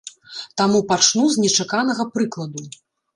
Таму пачну з нечаканага прыкладу.